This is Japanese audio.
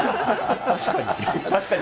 確かに。